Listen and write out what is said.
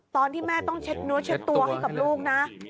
ตอนที่แม่ต้องเช็ดตัวให้กับลูกนะ